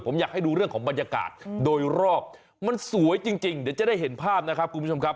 ผมอยากให้ดูเรื่องของบรรยากาศโดยรอบมันสวยจริงเดี๋ยวจะได้เห็นภาพนะครับคุณผู้ชมครับ